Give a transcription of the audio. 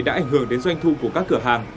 đã ảnh hưởng đến doanh thu của các cửa hàng